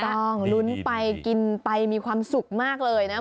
ต้องลุ้นไปกินไปมีความสุขมากเลยนะ